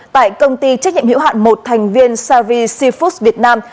tại công ty trách nhiệm hiệu hạn một thành viên savi sifus việt nam